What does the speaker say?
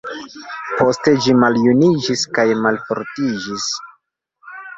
Poste ĝi maljuniĝis kaj malfortiĝis.